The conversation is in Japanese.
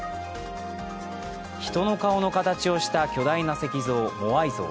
人の顔の形をした巨大な石像モアイ像。